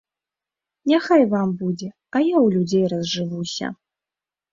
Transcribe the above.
Няхай вам будзе, а я ў людзей разжывуся.